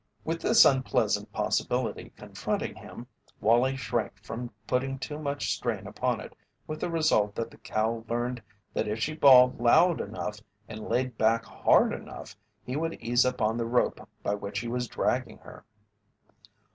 With this unpleasant possibility confronting him, Wallie shrank from putting too much strain upon it with the result that the cow learned that if she bawled loud enough and laid back hard enough, he would ease up on the rope by which he was dragging her.